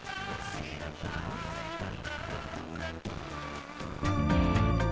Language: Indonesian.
aku bisa menemukan cinta dan kebahagiaanku sendiri